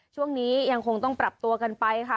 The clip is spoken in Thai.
ช่วงนี้ยังคงต้องปรับตัวกันไปค่ะ